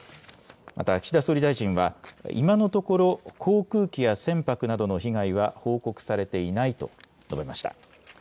また岸田総理大臣は今のところ航空機や船舶などの被害は報告されていないと述べました。